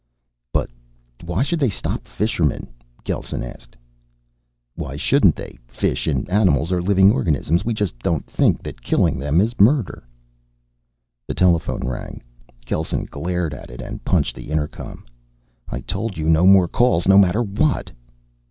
"But why should they stop fisherman?" Gelsen asked. "Why shouldn't they? Fish and animals are living organisms. We just don't think that killing them is murder." The telephone rang. Gelsen glared at it and punched the intercom. "I told you no more calls, no matter what."